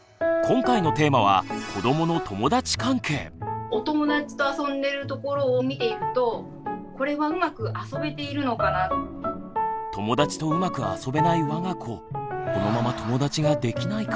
今回のテーマはお友だちと遊んでるところを見ているとこれは友だちとうまく遊べないわが子このまま友だちができないかも。